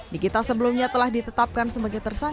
nikita sebelumnya telah ditetapkan sebagai tersangka